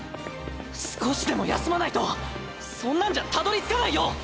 少しでも休まないとそんなんじゃたどりつかないよ！